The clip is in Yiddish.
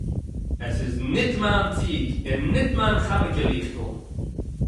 עס איז ניט מײַן ציג און ניט מײַן חנוכּה–ליכטל.